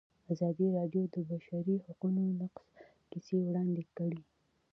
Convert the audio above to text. ازادي راډیو د د بشري حقونو نقض کیسې وړاندې کړي.